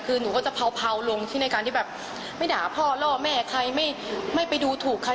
คือหนูก็จะเผาลงที่ในการที่แบบไม่ด่าพ่อล่อแม่ใครไม่ไปดูถูกใคร